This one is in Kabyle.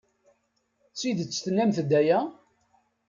D tidet tennamt-d aya?